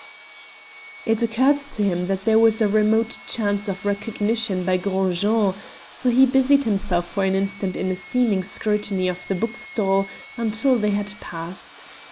It occurred to him that there was a remote chance of recognition by Gros Jean, so he busied himself for an instant in a seeming scrutiny of the bookstall until they had passed.